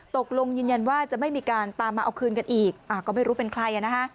ตกลงยืนยันว่าจะไม่มีการตามมาเอาคืนกันอีกก็ไม่รู้เป็นใคร